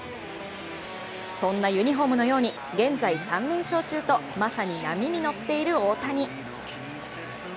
そんなユニホームのように現在３連勝中とまさに波に乗っている大谷。